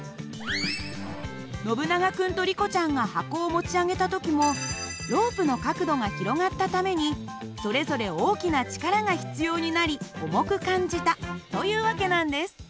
ノブナガ君とリコちゃんが箱を持ち上げた時もロープの角度が広がったためにそれぞれ大きな力が必要になり重く感じたという訳なんです。